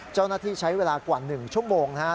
เจ้าหน้าที่ใช้เวลากว่า๑ชั่วโมงนะฮะ